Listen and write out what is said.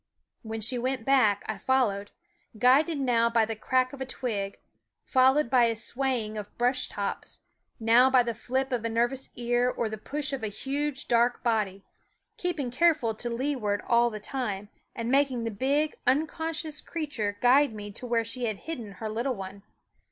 When she went back I followed, guided now by the crack of a twig, now by a sway ing of brush tops, now by the flip of a nervous ear or the push of a huge dark body, keeping carefully uenaw/s M ^ SCHOOL OP leeward all the time, and making the big unconscious creature guide me to where she had hidden her little one.